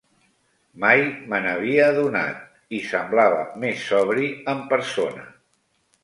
Mai me n'havia adonat; i semblava més sobri en persona.